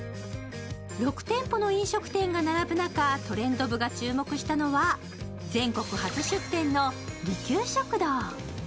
６店舗の飲食店が並ぶ中、トレンド部が注目したのは全国初出店の利久食堂。